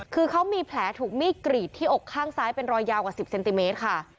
คือเขามีแผลถูกมีดกรีดที่อกข้างซ้ายเป็นรอยยาวกว่า๑๐เซนติเมตรค่ะ